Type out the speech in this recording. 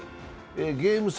ゲーム差